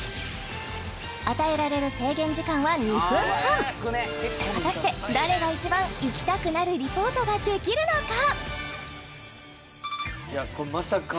与えられる制限時間は２分半果たして誰が一番行きたくなるリポートができるのか？